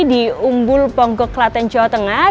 di umbul ponggok klaten jawa tengah